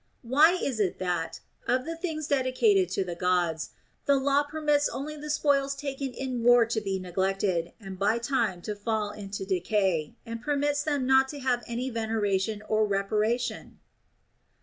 Why is it that, of the things dedicated to the Gods, the law permits only the spoils taken in war to be neglected and by time to fall into decay, and permits them not to have any veneration nor reparation